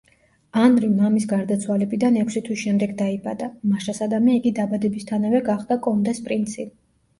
ანრი მამის გარდაცვალებიდან ექვსი თვის შემდეგ დაიბადა, მაშასადამე იგი დაბადებისთანავე გახდა კონდეს პრინცი.